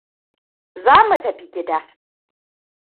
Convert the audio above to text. Zamu tafi gida.